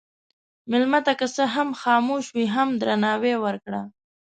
مېلمه ته که څه هم خاموش وي، هم درناوی ورکړه.